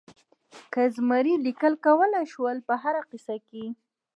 که زمری لیکل کولای شول په هره کیسه کې.